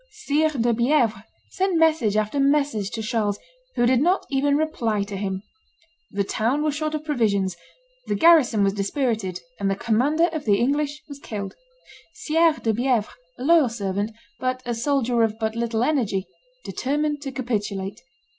Sire de Bievres sent message after message to Charles, who did not even reply to him. The town was short of provisions; the garrison was dispirited; and the commander of the English was killed. Sire de Bievres, a loyal servant, but a soldier of but little energy, determined to capitulate.